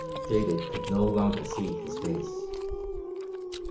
David could no longer see his face.